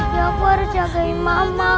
siapa harus jagain mama